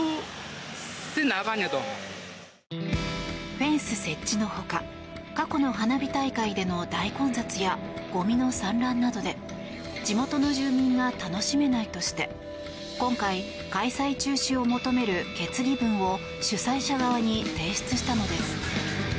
フェンス設置のほか過去の花火大会での大混雑やゴミの散乱などで地元の住民が楽しめないとして今回、開催中止を求める決議文を主催者側に提出したのです。